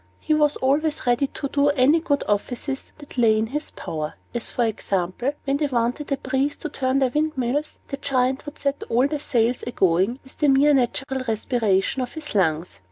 He was always ready to do them any good offices that lay in his power; as for example, when they wanted a breeze to turn their windmills, the Giant would set all the sails a going with the mere natural respiration of his lungs.